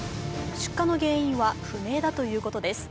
出火の原因は不明だということです。